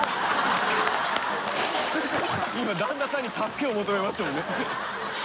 今旦那さんに助けを求めましたよね？